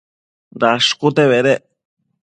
Dashcute bedec